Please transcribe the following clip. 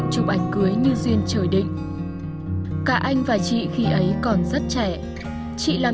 chứ còn người hơn nữa là khi mà người ta